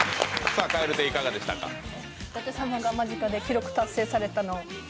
舘様が間近で記録達成されたのと。